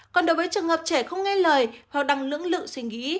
còn đối với trường hợp trẻ không nghe lời hoặc đăng lưỡng lự suy nghĩ